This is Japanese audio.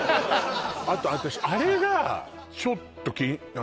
あと私あれがちょっと何？